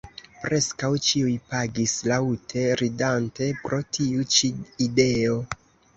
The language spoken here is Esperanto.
Preskaŭ ĉiuj pagis, laŭte ridante pro tiu ĉi ideo.